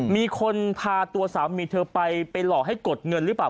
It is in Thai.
มีคนพาตัวสามีเธอไปไปหลอกให้กดเงินหรือเปล่า